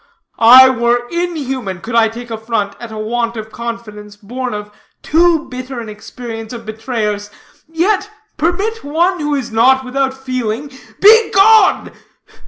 "I were inhuman, could I take affront at a want of confidence, born of too bitter an experience of betrayers. Yet, permit one who is not without feeling " "Begone!